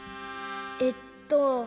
えっと。